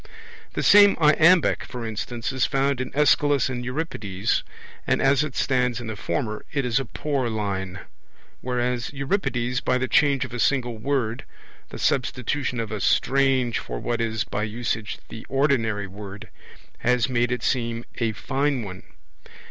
The same iambic, for instance, is found in Aeschylus and Euripides, and as it stands in the former it is a poor line; whereas Euripides, by the change of a single word, the substitution of a strange for what is by usage the ordinary word, has made it seem a fine one.